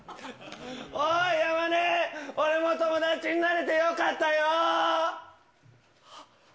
おーい、山根、俺も友達になれてよかったよ。